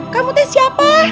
kamu itu siapa